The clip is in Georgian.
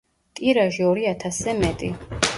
ტირაჟი ორი ათასზე მეტი.